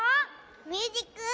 ミュージック。